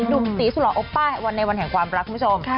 ดุมสีสุรอป้าในวันแห่งความรักคุณผู้ชม